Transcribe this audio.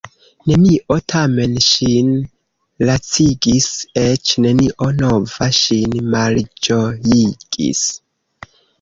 Nenio tamen ŝin lacigis, eĉ nenio nova ŝin malĝojigis.